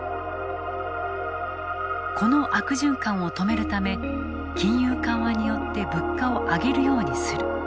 この悪循環を止めるため金融緩和によって物価を上げるようにする。